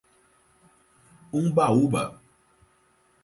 Umbaúba